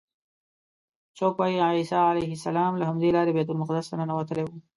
څوک وایي عیسی علیه السلام له همدې لارې بیت المقدس ته ننوتلی و.